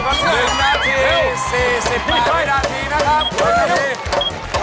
สวัสดีครับสวัสดีครับปลอดภัยครับโอ้โหวอ๋อ